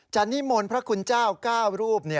นิมนต์พระคุณเจ้า๙๙รูป